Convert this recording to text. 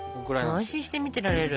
安心して見てられる。